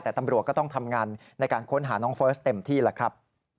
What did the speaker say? แต่ตำรวจก็ต้องทำงานในการค้นหาน้องเฟิร์สเต็มที่แหละครับ